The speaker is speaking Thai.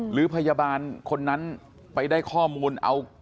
หรือพยาบาลคนนั้นไปได้ข้อมูลเอา